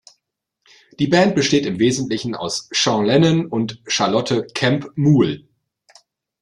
Die Band besteht im Wesentlichen aus Sean Lennon und Charlotte Kemp Muhl.